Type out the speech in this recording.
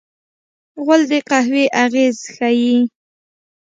غول د قهوې اغېز ښيي.